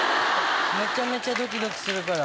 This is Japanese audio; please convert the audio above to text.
めちゃめちゃドキドキするから。